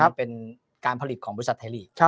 มันเป็นการผลิตของบุตรชาติไทยลีก